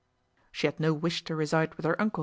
She had no wish to reside with her uncle, M.